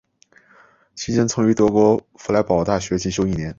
期间曾于德国佛莱堡大学进修一年。